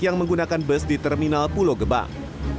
yang menggunakan bus di terminal pulau gebang